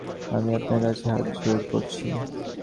আমি আপনার কাছে হাতজোড় করছি।